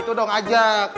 itu dong ajak